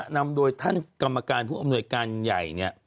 นำโดยท่านกรรมการผู้อำนวยการใหญ่เนี่ย